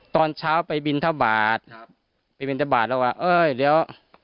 ตอนเช้าไปบินทบาทครับไปบินทบาทแล้วว่าเอ้ยเดี๋ยว